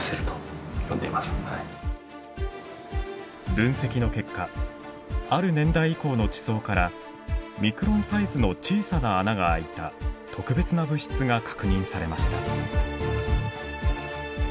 分析の結果ある年代以降の地層からミクロンサイズの小さな穴が開いた特別な物質が確認されました。